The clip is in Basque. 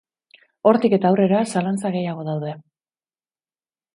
Hortik eta aurrera zalantza gehiago daude.